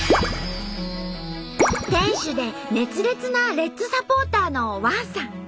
店主で熱烈なレッズサポーターのワンさん。